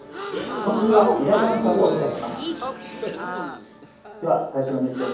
今週は井田アナウンサーとお伝えします。